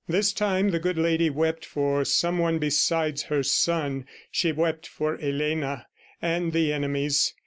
This time, the good lady wept for some one besides her son; she wept for Elena and the enemies.